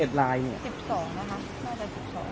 ๑๒นะคะน่าจะ๑๒